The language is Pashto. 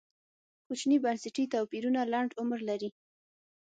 کوچني بنسټي توپیرونه لنډ عمر لري.